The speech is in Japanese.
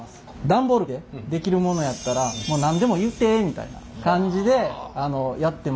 段ボールで出来るものやったらもう何でも言うてえみたいな感じでやってます。